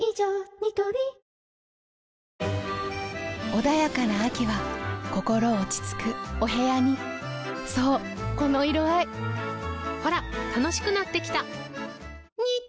ニトリ穏やかな秋は心落ち着くお部屋にそうこの色合いほら楽しくなってきた！